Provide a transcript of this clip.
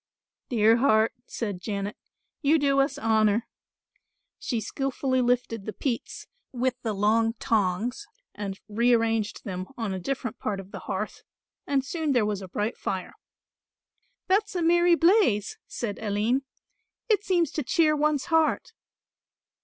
"Dear heart," said Janet, "you do us honour." She skilfully lifted the peats with the long tongs and rearranged them on a different part of the hearth and soon there was a bright fire. "That's a merry blaze," said Aline; "it seems to cheer one's heart."